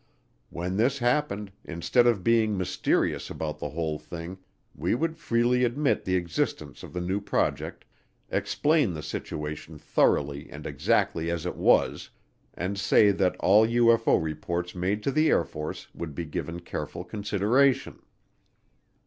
When this happened, instead of being mysterious about the whole thing, we would freely admit the existence of the new project, explain the situation thoroughly and exactly as it was, and say that all UFO reports made to the Air Force would be given careful consideration.